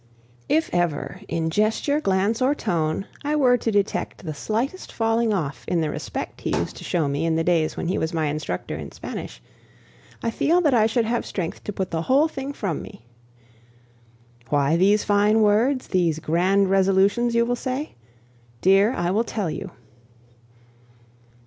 If ever, in gesture, glance, or tone, I were to detect the slightest falling off in the respect he used to show me in the days when he was my instructor in Spanish, I feel that I should have strength to put the whole thing from me. "Why these fine words, these grand resolutions?" you will say. Dear, I will tell you.